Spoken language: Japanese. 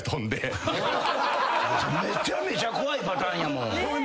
めちゃめちゃ怖いパターンやもん。